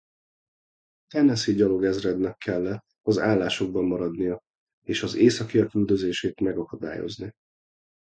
Tennessee gyalogezrednek kellett az állásokban maradnia és az északiak üldözését megakadályozni.